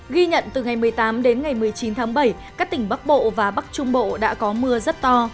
ghi nhận từ ngày một mươi tám đến ngày một mươi chín tháng bảy các tỉnh bắc bộ và bắc trung bộ đã có mưa rất to